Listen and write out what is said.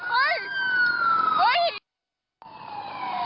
เฮ้ยเฮ้ยเฮ้ยเฮ้ยเฮ้ย